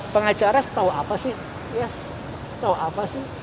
pengacara tahu apa sih